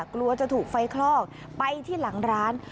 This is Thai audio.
กลัวจะถูกไฟคลอกไปที่หลังร้าน